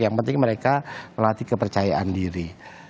yang penting mereka melatih kepercayaan diri